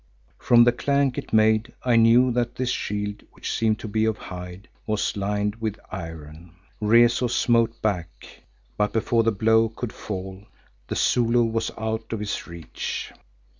From the clank it made I knew that this shield which seemed to be of hide, was lined with iron. Rezu smote back, but before the blow could fall the Zulu was out of his reach.